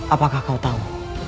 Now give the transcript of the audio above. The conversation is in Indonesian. apakah kau tahu